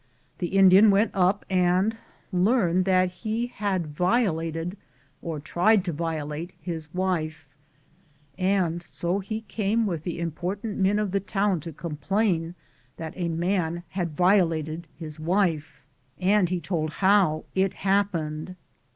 The Indian went up and learned that he had violated, or tried to violate, his wife, and bo he came with the important men of the town to complain that a man had violated his wife, and he told how it happened.